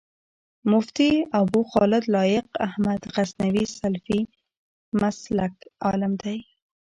مفتي ابوخالد لائق احمد غزنوي سلفي مسلک عالم دی